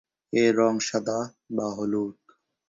এর রঙ সাদা বা হলুদ।